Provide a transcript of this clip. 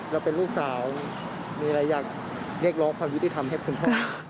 เราเป็นลูกสาวมีอะไรอยากเรียกร้องความยุติธรรมให้คุณพ่อ